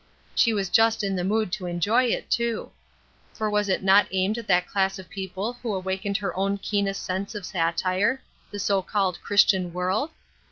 She was just in the mood to enjoy it, too. For was it not aimed at that class of people who awakened her own keenest sense of satire the so called "Christian world"?